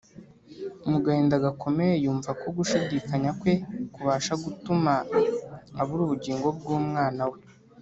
Mu gahinda gakomeye, yumva ko gushidikanya kwe kubasha gutuma abura ubugingo bw’umwana we